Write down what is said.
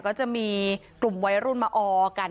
ก็จะมีกลุ่มวัยรุ่นมาออกัน